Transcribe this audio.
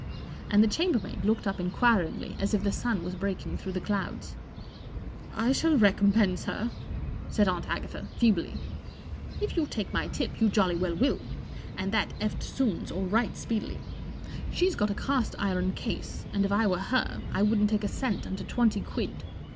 And the chambermaid looked up inquiringly, as if the sun was breaking through the clouds, 1 I shall recompense her," said Aunt Agatha, feebly. "If you take my tip, you jolty well will, and that eftsoones or right speedily* Site's got a cast iron case, and if I were her I wouldn't take a cent under twenty quid.